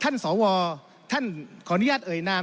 ท่านประธานก็เป็นสอสอมาหลายสมัย